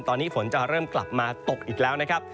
ตอนนี้ฝนจะเริ่มกลับมาตกอีกแล้วนะครับ